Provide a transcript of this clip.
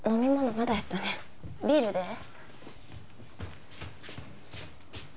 まだやったねビールでええ？